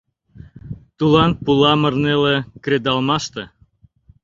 Тулан, пуламыр, неле кредалмаште